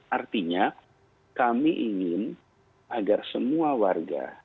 artinya kami ingin agar semua warga